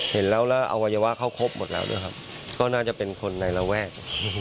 เห็นแล้วแล้วอวัยวะเขาครบหมดแล้วด้วยครับก็น่าจะเป็นคนในระแวก